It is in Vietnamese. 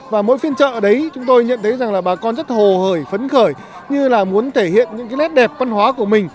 và mỗi phiên chợ đấy chúng tôi nhận thấy rằng là bà con rất hồ hởi phấn khởi như là muốn thể hiện những nét đẹp văn hóa của mình